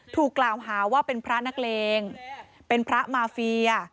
ถูกกล่าวหาว่าเป็นพระนักเลงเป็นพระมาเฟีย